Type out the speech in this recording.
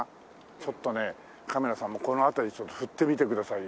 ちょっとねカメラさんもこの辺りちょっと振ってみてくださいよ。